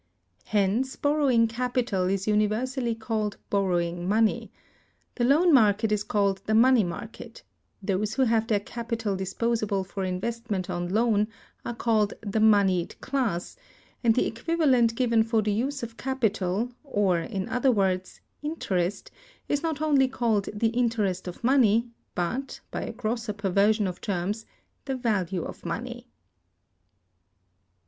Hence, borrowing capital is universally called borrowing money; the loan market is called the money market; those who have their capital disposable for investment on loan are called the moneyed class; and the equivalent given for the use of capital, or, in other words, interest, is not only called the interest of money, but, by a grosser perversion of terms, the value of money.